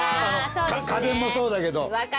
家電もそうだけど。